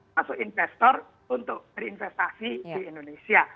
masuk investor untuk berinvestasi di indonesia